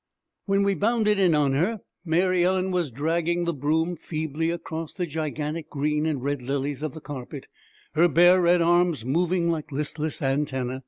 When we bounded in on her, Mary Ellen was dragging the broom feebly across the gigantic green and red lilies of the carpet, her bare red arms moving like listless antennæ.